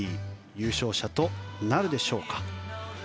優勝者となるでしょうか。